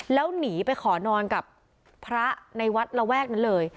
แล้วหนีไปขอนอนกับพระในวัดระแวกนั้นเลย